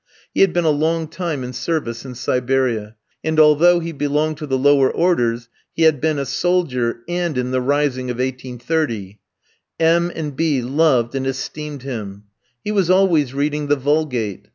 He had been a long time in service in Siberia, and although he belonged to the lower orders he had been a soldier, and in the rising of 1830 M tski and B. loved and esteemed him. He was always reading the Vulgate.